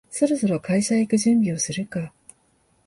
そろそろ会社へ行く準備をするか